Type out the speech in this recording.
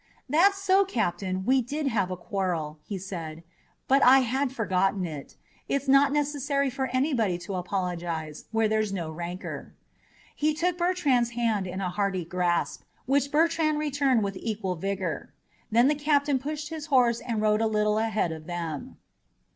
"That's so, Captain, we did have a quarrel," he said, "but I had forgotten it. It's not necessary for anybody to apologize where there's no rancor." He took Bertrand's hand in a hearty grasp, which Bertrand returned with equal vigor. Then the captain pushed his horse and rode a little ahead of them.